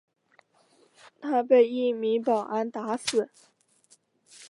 他被一名保安打死。